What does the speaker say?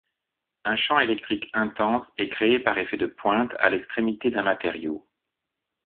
Un champ électrique intense est créé par effet de pointe à l’extrémité d’un matériau.